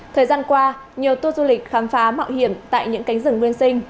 thời gian qua nhiều tour du lịch khám phá mạo hiểm tại những cánh rừng nguyên sinh